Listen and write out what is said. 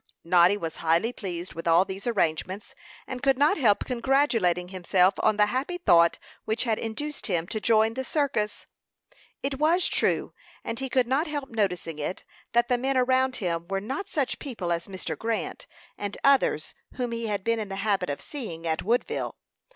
Noddy was highly pleased with all these arrangements, and could not help congratulating himself on the happy thought which had induced him to join the circus. It was true, and he could not help noticing it, that the men around him were not such people as Mr. Grant, and others whom he had been in the habit of seeing at Woodville.